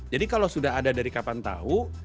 jadi kalau sudah ada dari kapan tahu